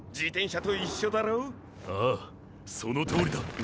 ああそのとおりだ！